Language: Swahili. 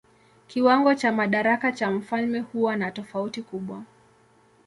Kiwango cha madaraka cha mfalme huwa na tofauti kubwa.